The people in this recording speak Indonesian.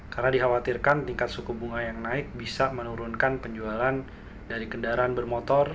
karena dikhawatirkan tingkat suku bunga yang naik bisa menurunkan penjualan dari kendaraan bermotor